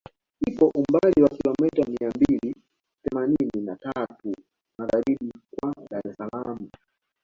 Ipo umbali wa kilometa mia mbili themanini na tatu magharibi kwa Dar es Salaam